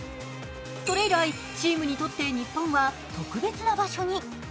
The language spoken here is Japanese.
それ以来、チームにとって日本は特別な場所に。